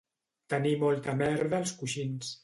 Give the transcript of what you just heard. Tenir molta merda als coixins